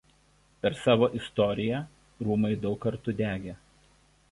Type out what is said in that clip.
Per savo istoriją rūmai daug kartų degė.